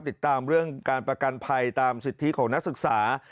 ติดตามเรื่องการประกันภัยตามสิทธิของนักศึกษา